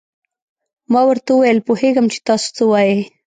ما ورته وویل: پوهېږم چې تاسو څه وایئ.